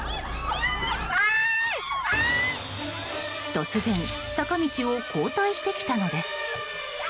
突然坂道を後退してきたのです。